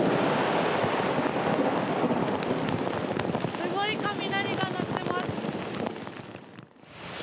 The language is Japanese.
すごい雷が鳴ってます。